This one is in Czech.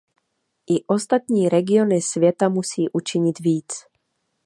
I ostatní regiony světa musí učinit víc.